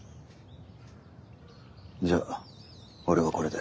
じゃあ俺はこれで。